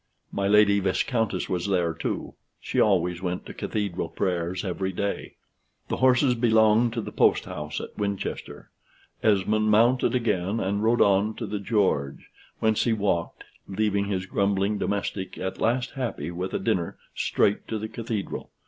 My Lady Viscountess was there, too; she always went to Cathedral prayers every day. The horses belonged to the post house at Winchester. Esmond mounted again and rode on to the "George;" whence he walked, leaving his grumbling domestic at last happy with a dinner, straight to the Cathedral.